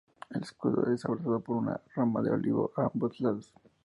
El escudo es abrazado por una rama de olivo a ambos lados.